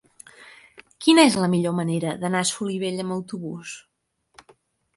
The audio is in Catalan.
Quina és la millor manera d'anar a Solivella amb autobús?